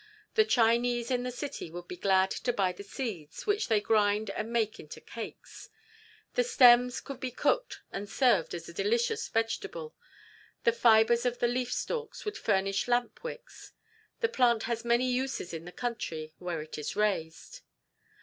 The Chinese in the city would be glad to buy the seeds, which they grind and make into cakes. The stems could be cooked and served as a delicious vegetable; the fibres of the leaf stalks would furnish lamp wicks. The plant has many uses in the country where it is raised.